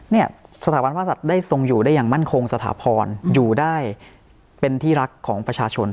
เนี่ยสถาบันพระศัตริย์ได้ทรงอยู่ได้อย่างมั่นคงสถาพรอยู่ได้เป็นที่รักของประชาชน